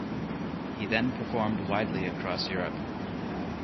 He then performed widely across Europe.